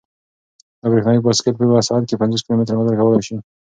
دا برېښنايي بایسکل په یوه ساعت کې پنځوس کیلومتره مزل کولای شي.